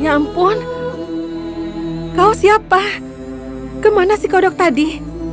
ya ampun kau siapa kemana si kodok tadi